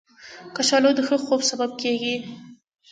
کچالو د ښه خوب سبب کېږي